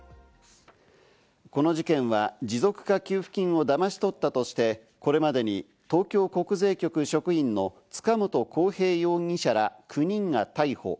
この事件は持続化給付金をだまし取ったとして、これまでに東京国税局職員の塚本晃平容疑者ら９人が逮捕。